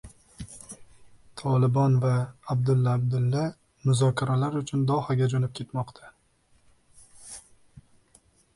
"Tolibon" va Abdulla Abdulla muzokaralar uchun Dohaga jo‘nab ketmoqda